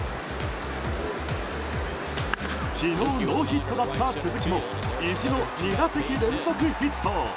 昨日、ノーヒットだった鈴木も意地の２打席連続ヒット。